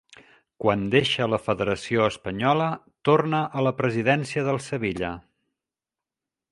Quan deixa la Federació Espanyola torna a la presidència del Sevilla.